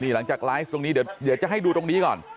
หลังจากไลฟ์ตรงนี้เดี๋ยวจะให้ดูตรงนี้ก่อน